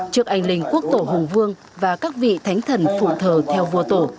trước anh linh quốc tổ hùng vương và các vị thánh thần phụ thờ theo vua tổ